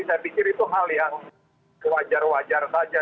saya pikir itu hal yang wajar wajar saja